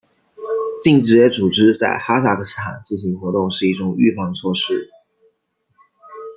禁止这些组织在哈萨克斯坦进行活动是一种预防措施。